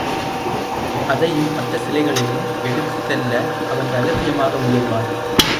அதையும் மற்ற சிலைகளையும் எடுத்துச்செல்ல அவன் ரகசியமாக முயல்வான்.